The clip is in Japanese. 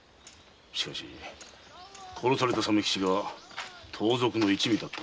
しかし殺された鮫吉が盗賊の一味だったとはな。